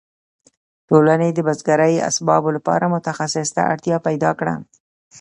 ټولنې د بزګرۍ اسبابو لپاره متخصص ته اړتیا پیدا کړه.